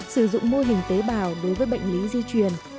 sử dụng mô hình tế bào đối với bệnh lý di truyền